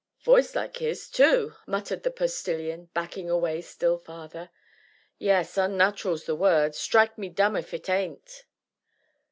"Voice like his, too!" muttered the Postilion, backing away still farther; "yes, onnat'ral's the word strike me dumb if it ain't!"